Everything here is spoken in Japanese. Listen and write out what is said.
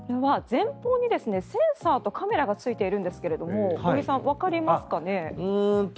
前方にセンサーとカメラがついているんですけども小木さん、わかりますかね？